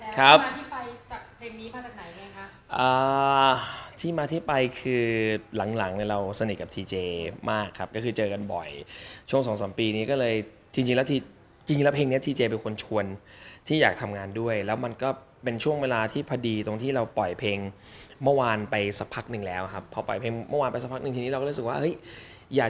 ถามที่มีแฟนแล้วที่มาที่ไปจากเพลงนี้มาจากไหนเนี่ยคะ